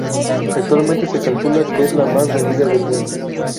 Actualmente se calcula que es la más vendida del Mundo.